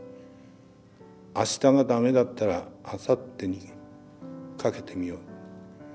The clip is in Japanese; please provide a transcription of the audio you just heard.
あしたがだめだったらあさってにかけてみよう。